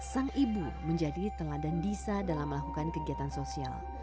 sang ibu menjadi teladan disa dalam melakukan kegiatan sosial